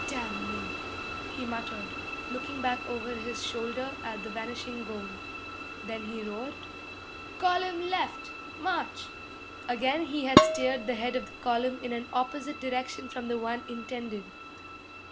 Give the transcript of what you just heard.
'Damn me!' he muttered, looking back over his shoulder at the vanishing goal. Then he roared, 'Column left! March!' Again he had steered the head of the column in an opposite direction from the one intended.